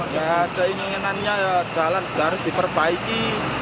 ya ada inginannya jalan harus diperbaiki